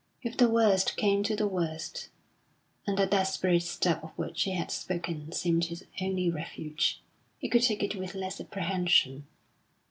If the worst came to the worst and that desperate step of which he had spoken seemed his only refuge he could take it with less apprehension.